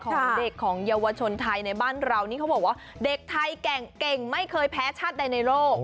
ของเด็กของเยาวชนไทยในบ้านเรานี่เขาบอกว่าเด็กไทยเก่งไม่เคยแพ้ชาติใดในโลก